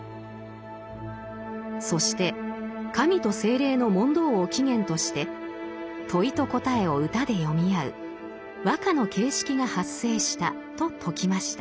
そして神と精霊の問答を起源として問いと答えを歌で詠み合う和歌の形式が発生したと説きました。